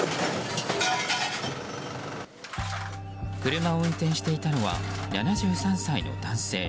車を運転していたのは７３歳の男性。